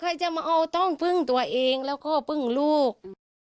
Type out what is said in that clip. ใครจะมาเอาต้องพึ่งตัวเองแล้วก็พึ่งลูก